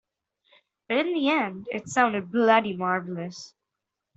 But in the end it sounded bloody marvellous.